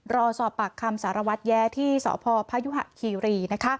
รอสอบปากคำสารวัตรแย้ที่สพพยุหะคีรี